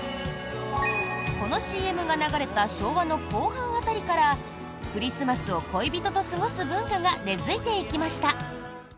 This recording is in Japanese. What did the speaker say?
このＣＭが流れた昭和の後半辺りからクリスマスを恋人と過ごす文化が根付いていきました。